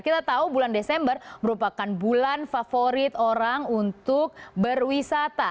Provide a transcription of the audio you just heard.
kita tahu bulan desember merupakan bulan favorit orang untuk berwisata